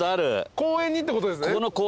公園にってことですね？